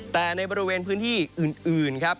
แต่ในบริเวณพื้นที่อื่นครับ